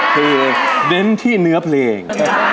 เพลงเด้นที่เนื้อเพลง